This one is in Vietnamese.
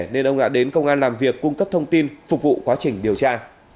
nên ông đã đến công an làm việc cung cấp thông tin phục vụ quá trình điều tra